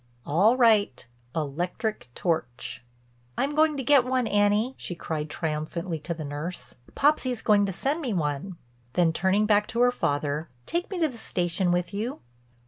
"All right. A 'lectric torch." "I'm going to get one, Annie," she cried triumphantly to the nurse; "Popsy's going to send me one." Then turning back to her father, "Take me to the station with you?"